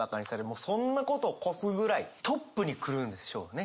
もうそんなことを越すぐらいトップに来るんでしょうね。